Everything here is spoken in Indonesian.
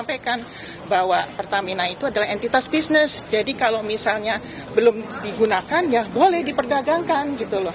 pertamina itu adalah entitas bisnis jadi kalau misalnya belum digunakan ya boleh diperdagangkan